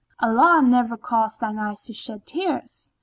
Allah never cause thine eye to shed tears!"